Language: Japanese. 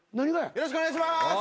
よろしくお願いします。